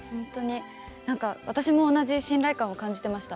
私も同じ信頼感を感じていました。